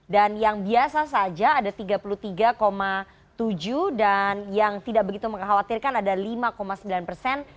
dan yang biasa saja ada tiga puluh tiga tujuh dan yang tidak begitu mengkhawatirkan ada lima sembilan persen